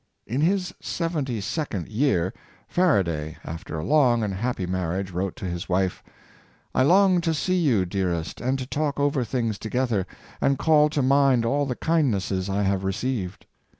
In his seventy second year, Faraday, after a long and happy marriage, wrote to his wife: " I long to see you, dear est and to talk over things together, and call to mind ai the kindnesses I have received.